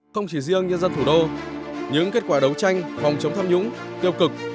không chỉ riêng nhân dân thủ đô những kết quả đấu tranh phòng chống tham nhũng tiêu cực